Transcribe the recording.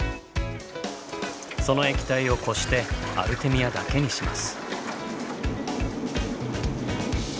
その液体をこしてアルテミアだけにします。